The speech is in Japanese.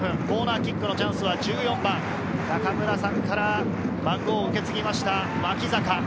コーナーキックのチャンスは１４番、中村さんから番号を受け継ぎました脇坂。